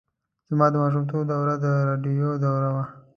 زما د ماشومتوب دوره د راډیو دوره وه.